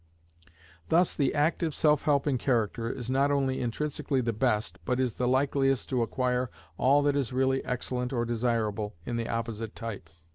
Thus the active, self helping character is not only intrinsically the best, but is the likeliest to acquire all that is really excellent or desirable in the opposite type.